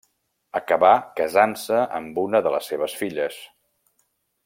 Acabà casant-se amb una de les seves filles.